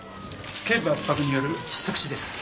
頸部圧迫による窒息死です